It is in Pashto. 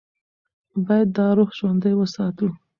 باید دا روح ژوندۍ وساتو.